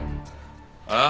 ああ？